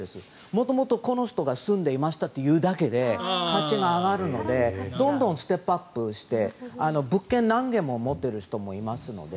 元々、この人が住んでいましたというだけで価値が上がるのでどんどんステップアップして物件を何軒も持っている人もいますので。